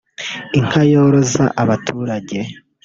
inka yoroza abaturage